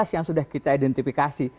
yang sudah kita identifikasi